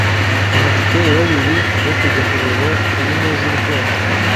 amatike ya babiri yo kujya kureba films z’urukundo